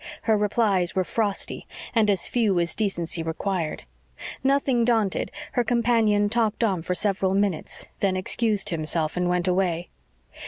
Her replies were frosty, and as few as decency required. Nothing daunted, her companion talked on for several minutes, then excused himself and went away.